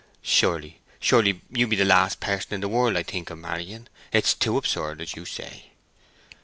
Surely, surely you be the last person in the world I think of marrying. It is too absurd, as you say."